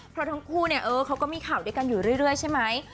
เพราะทั้งคู่เนี่ยเออเขาก็มีข่าวด้วยกันอยู่เรื่อยใช่ไหม